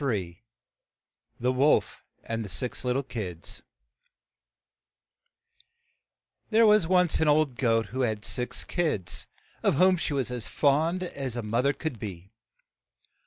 *\ 15 THE WOLF AND THE SIX LITTLE KIDS THERE was once an old goat who had six kids, of whom she was as fond as a moth er could be.